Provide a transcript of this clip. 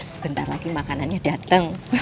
sebentar lagi makanannya datang